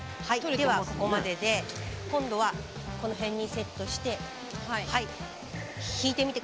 ではここまでで今度はこの辺にセットして引いてみて下さい。